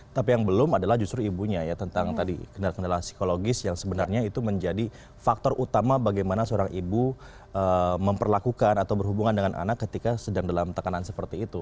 tapi yang belum adalah justru ibunya ya tentang tadi kendala kendala psikologis yang sebenarnya itu menjadi faktor utama bagaimana seorang ibu memperlakukan atau berhubungan dengan anak ketika sedang dalam tekanan seperti itu